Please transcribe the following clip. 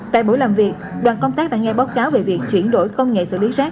tại buổi làm việc đoàn công tác đã nghe báo cáo về việc chuyển đổi công nghệ xử lý rác